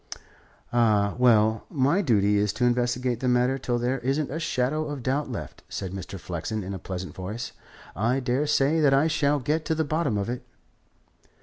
"Ah, well; my duty is to investigate the matter till there isn't a shadow of doubt left," said Mr. Flexen in a pleasant voice. "I daresay that I shall get to the bottom of it."